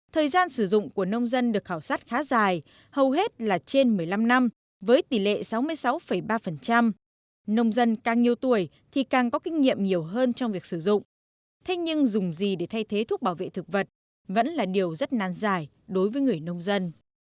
thời gian sử dụng của nông dân được khảo sát khá dài hầu hết là trên một mươi năm năm với tỷ lệ sáu mươi sáu ba nông dân càng nhiều tuổi thì càng có kinh nghiệm nhiều hơn trong việc sử dụng thế nhưng dùng gì để thay thế thuốc bảo vệ thực vật vẫn là điều rất nan dài đối với người nông dân